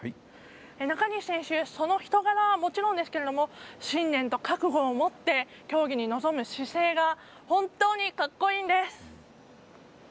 中西選手、その人柄はもちろんですけれども信念と覚悟を持って競技に臨む姿勢が本当にかっこいいんです。